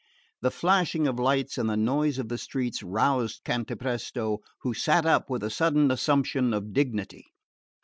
The flashing of lights and the noise of the streets roused Cantapresto, who sat up with a sudden assumption of dignity.